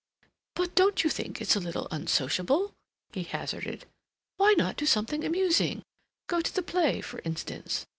"But don't you think it's a little unsociable?" he hazarded. "Why not do something amusing?—go to the play, for instance?